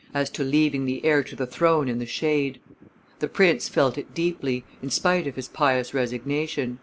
as to leaving the heir to the throne in the shade. The prince felt it deeply, in spite of his pious resignation.